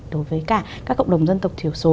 đối với cả các cộng đồng dân tộc thiểu số